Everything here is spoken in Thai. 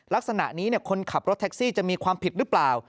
ลักษณะนี้คนขับรถแท็กซี่จะมีความผิดหรือเปล่า